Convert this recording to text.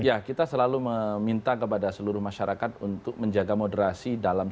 ya kita selalu meminta kepada seluruh masyarakat untuk menjaga moderasi dalam